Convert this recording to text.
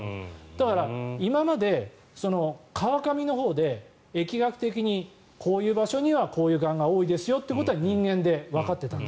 だから、今まで川上のほうで疫学的にこういう場所にはこういうがんが多いですよってことは人間でわかっていた。